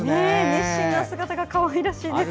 熱心な姿がかわいらしいですね。